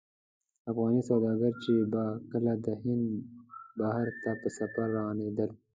افغاني سوداګر چې به کله د هند بحر ته په سفر روانېدل.